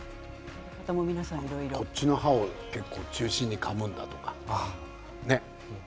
こっちの歯を結構、中心にかむんだとか。